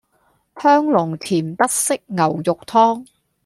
香濃甜德式牛肉湯